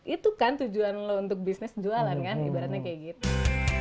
itu kan tujuan lo untuk bisnis jualan kan ibaratnya kayak gitu